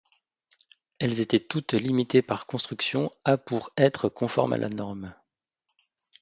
Elles étaient toutes limitées par construction à pour être conforme à la norme.